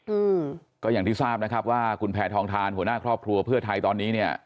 อืมก็อย่างที่ทราบนะครับว่าคุณแพทองทานหัวหน้าครอบครัวเพื่อไทยตอนนี้เนี่ย